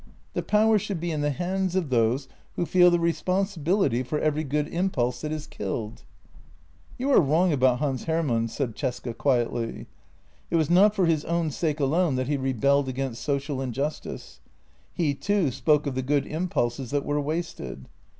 The power should be in the hands of those who feel the responsibility for every good impulse that is killed." " You are wrong about Hans Hermann," said Cesca quietly. " It was not for his own sake alone that he rebelled against social injustice. He, too, spoke of the good impulses that were wasted.